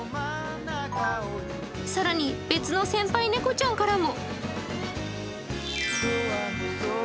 更に別の先輩猫ちゃんからも。